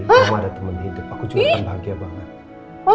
mama ada temen hidup aku juga akan bahagia banget